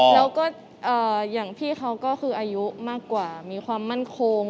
แล้วก็อย่างพี่เขาก็คืออายุมากกว่ามีความมั่นคง